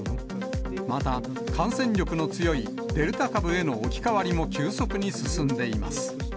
また感染力の強いデルタ株への置き換わりも急速に進んでいます。